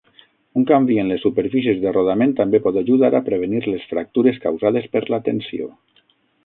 Un canvi en les superfícies de rodament també pot ajudar a prevenir les fractures causades per la tensió.